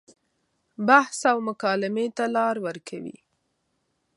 بحث او مکالمې ته لار ورکوي.